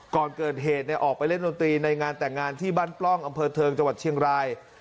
ก่อนเกิดเหตุออกไปเล่นดนตรีในงานแต่งงานที่บ้านปล้องอำเภอเทิงจังหวัดเชียงราย